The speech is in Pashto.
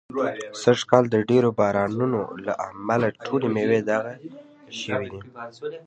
سږ کال د ډېرو بارانو نو له مخې ټولې مېوې داغي شوي دي.